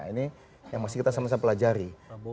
ini yang masih kita sama sama pelajari